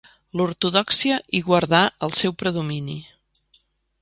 L'ortodòxia hi guardà el seu predomini.